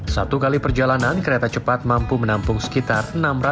satu kali perjalanan kereta cepat mampu menampung sekitar enam ratus penumpang